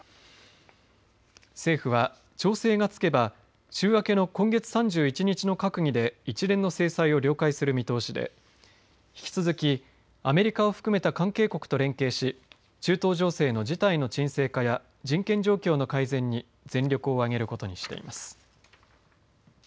政府は、調整がつけば週明けの今月３１日の閣議で一連の制裁を了解する見通しで引き続き、アメリカを含めた関係国と連携し中東情勢の事態の鎮静化や人権状況の改善に全力を挙げることにしています。